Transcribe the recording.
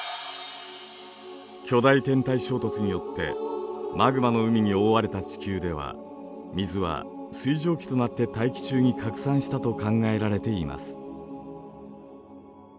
巨大天体衝突によってマグマの海におおわれた地球では水は水蒸気となって大気中に拡散したと考えられています。